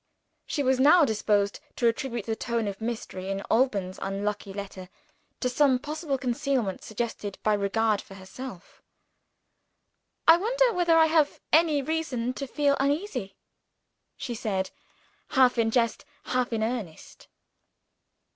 She was now disposed to attribute the tone of mystery in Alban's unlucky letter to some possible concealment suggested by regard for herself. "I wonder whether I have any reason to feel uneasy?" she said half in jest, half in earnest.